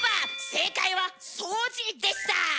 正解は「掃除」でした！